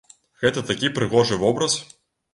Гэта такі прыгожы вобраз?